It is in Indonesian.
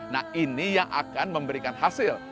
nah ini yang akan memberikan hasil